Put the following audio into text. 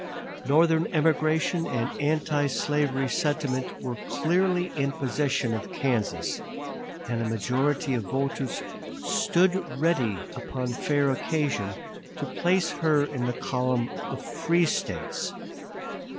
Northern emigration and anti slavery sentiment were clearly in possession of Kansas, and a majority of voters stood ready upon fair occasion to place her in the column of free States.